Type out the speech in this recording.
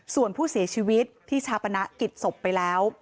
ส่วนผู้เสียชีวิตที่ชาปนกิจศพไปแล้ว